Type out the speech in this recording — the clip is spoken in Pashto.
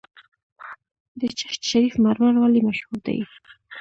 د چشت شریف مرمر ولې مشهور دي؟